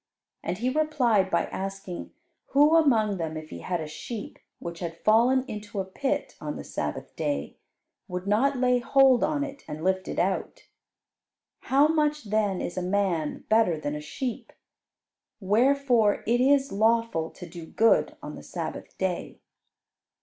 and He replied by asking who among them, if he had a sheep which had fallen into a pit on the Sabbath day, would not lay hold on it, and lift it out. "How much then is a man better than a sheep? Wherefore it is lawful to do good on the Sabbath day."